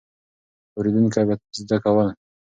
اورېدونکي به زده کول.